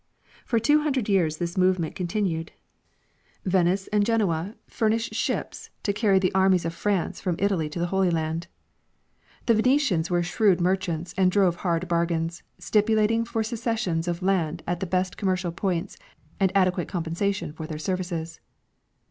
For two hundred years this move ment continued. Venice and Genoa furnished ships to carry the 4 G. G. Hubbard — lite Evolution of Commerce. armies of France from Italy to the Holy Land. The Venetians were shrewd merchants and drove hard bargains, stipulating for cessions of land at the best commercial points and adequate com pensation for their services.